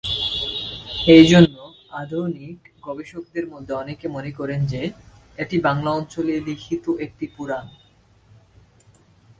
এই জন্য আধুনিক গবেষকদের মধ্যে অনেকে মনে করেন যে, এটি বাংলা অঞ্চলে লিখিত একটি পুরাণ।